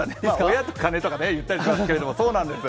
親と金とかいったりしますけど、そうです。